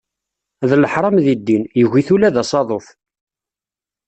D leḥram di ddin, yugi-t ula d asaḍuf.